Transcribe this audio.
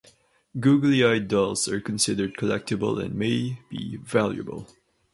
Googly eyed dolls are considered collectible and may be valuable.